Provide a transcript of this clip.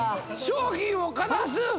商品をかざす！